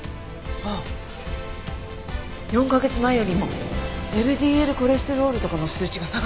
あっ４カ月前よりもＬＤＬコレステロールとかの数値が下がってる。